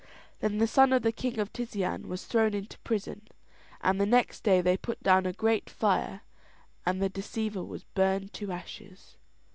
Then the son of the king of Tisean was thrown into prison, and the next day they put down a great fire, and the deceiver was burned to ashes.